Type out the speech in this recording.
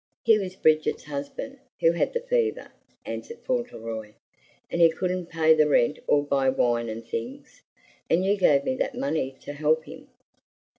"He was Bridget's husband, who had the fever," answered Fauntleroy; "and he couldn't pay the rent or buy wine and things. And you gave me that money to help him."